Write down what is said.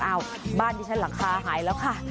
เอ้าบ้านดิฉันหลังคาหายแล้วค่ะ